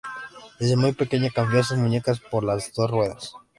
Desde muy pequeña cambió sus muñecas por las dos ruedas.